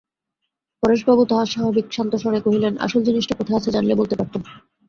পরেশবাবু তাঁহার স্বাভাবিক শান্তস্বরে কহিলেন, আসল জিনিসটা কোথায় আছে জানলে বলতে পারতুম।